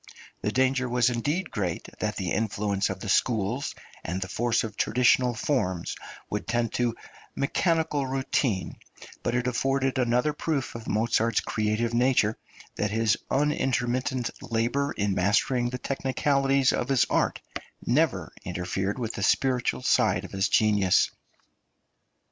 The danger was indeed great that the influence of the schools and the force of traditional forms would tend to mechanical routine, but it afforded another proof of Mozart's creative nature, that his unintermittent labour in mastering the technicalities of his art never interfered with the spiritual side of his genius.